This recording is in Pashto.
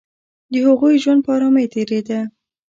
د هغوی ژوند په آرامۍ تېرېده